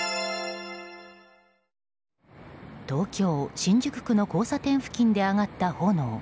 東京・新宿区の交差点付近で上がった炎。